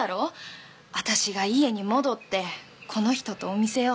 私が家に戻ってこの人とお店を。